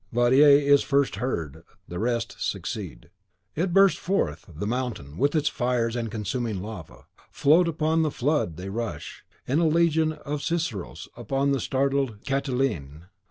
Vadier is first heard, the rest succeed. It burst forth, the Mountain, with its fires and consuming lava; flood upon flood they rush, a legion of Ciceros upon the startled Catiline!